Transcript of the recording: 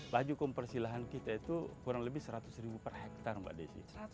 laju komprsi lahan kita itu kurang lebih seratus ribu per hektare mbak desi